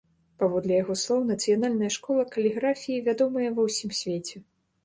Паводле яго слоў, нацыянальная школа каліграфіі вядомая ва ўсім свеце.